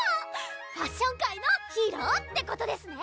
ファッション界のヒーローってことですね！